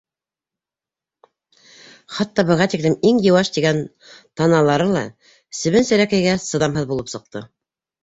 Хатта быға тиклем иң йыуаш тигән таналары ла себен-серәкәйгә сыҙамһыҙ булып сыҡты.